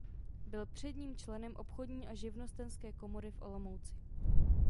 Byl předním členem Obchodní a živnostenské komory v Olomouci.